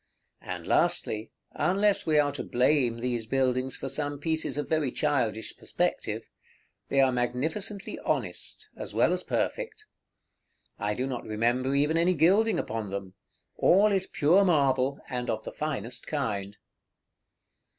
And lastly (unless we are to blame these buildings for some pieces of very childish perspective), they are magnificently honest, as well as perfect. I do not remember even any gilding upon them; all is pure marble, and of the finest kind.